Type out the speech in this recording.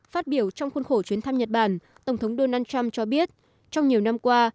phát biểu trong khuôn khổ chuyến thăm nhật bản tổng thống donald trump cho biết trong nhiều năm qua